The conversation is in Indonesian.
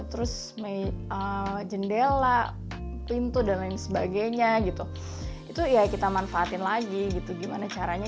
terus jendela pintu dan lain sebagainya gitu itu ya kita manfaatin lagi gitu gimana caranya